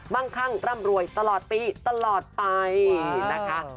ั่งคั่งร่ำรวยตลอดปีตลอดไปนะคะ